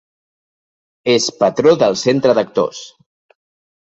És patró del Centre d'Actors.